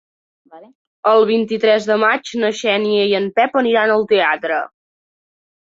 El vint-i-tres de maig na Xènia i en Pep aniran al teatre.